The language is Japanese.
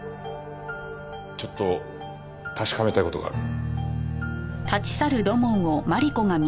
ちょっと確かめたい事がある。